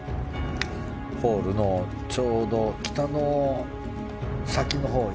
ホールのちょうど北の先のほうに